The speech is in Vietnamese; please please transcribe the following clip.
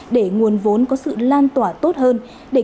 để nguồn vốn có sự lan tỏa tốt hơn